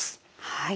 はい。